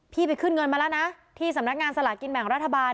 ไปขึ้นเงินมาแล้วนะที่สำนักงานสลากินแบ่งรัฐบาล